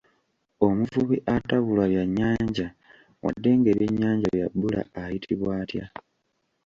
Omuvubi atabulwa byannyanja wadde ng'ebyennyanja bya bbula ayitibwa atya?